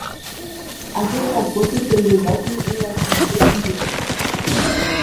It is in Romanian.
Acest raport este rezultatul unei activități intense.